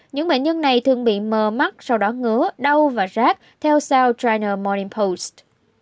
những bệnh nhân này thường bị mờ mắt sau đó ngứa đau và rác theo south china morning post